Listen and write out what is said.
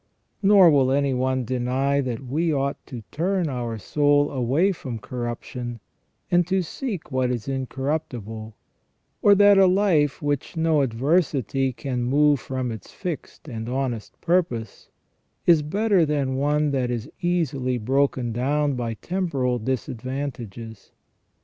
Nor will any one deny that we ought to turn our soul away from corruption, and to seek what is incorruptible ; or that a life which no adversity can move from its fixed and honest purpose, is better than one that is easily broken down by temporal disadvantages.